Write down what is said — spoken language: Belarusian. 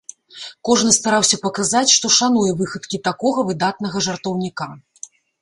Кожны стараўся паказаць, што шануе выхадкі такога выдатнага жартаўніка.